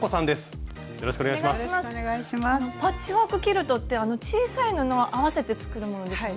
パッチワーク・キルトってあの小さい布を合わせて作るものですよね。